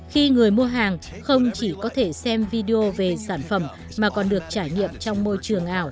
khi người mua hàng không chỉ có thể xem video về sản phẩm mà còn được trải nghiệm trong môi trường ảo